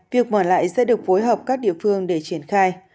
việc mở lại sẽ được phối hợp các địa phương để triển khai